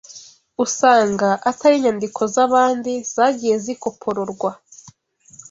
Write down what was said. usanga atari inyandiko z’abandi zagiye zikopororwa